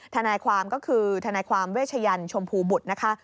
ทนายความก็คือทนายความเวชยันชมพูบุตรนะคะ